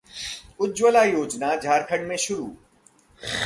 उज्ज्वला योजना झारखण्ड में शुरू